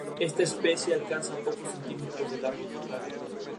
Al final, Arkwright, tras completar su misión, renuncia violencia.